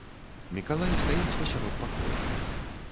Мікалай стаіць пасярод пакоя.